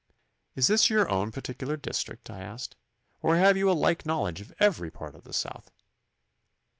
'Is this your own particular district?' I asked, 'or have you a like knowledge of every part of the south?